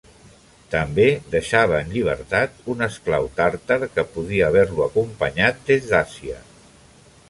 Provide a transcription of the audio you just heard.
També deixava en llibertat un esclau tàrtar que podia haver-lo acompanyat des d'Àsia.